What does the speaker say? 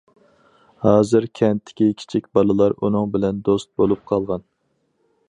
ھازىر كەنتتىكى كىچىك بالىلار ئۇنىڭ بىلەن دوست بولۇپ قالغان.